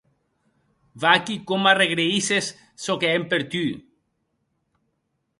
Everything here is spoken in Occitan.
Vaquí com m’arregraïsses çò que hèm per tu!